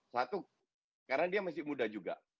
satu karena dia masih muda juga